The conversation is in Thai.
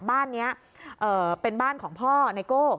บ้านนี้เป็นบ้านของพ่อไนโก้